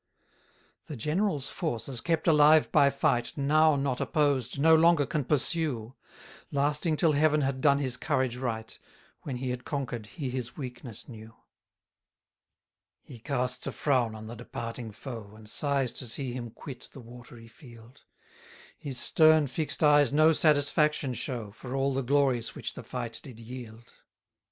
135 The general's force, as kept alive by fight, Now not opposed, no longer can pursue: Lasting till heaven had done his courage right; When he had conquer'd he his weakness knew. 136 He casts a frown on the departing foe, And sighs to see him quit the watery field: His stern fix'd eyes no satisfaction show, For all the glories which the fight did yield.